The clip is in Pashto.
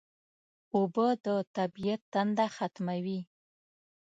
اوبه د طبیعت تنده ختموي